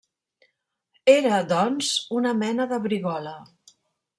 Era, doncs, una mena de brigola.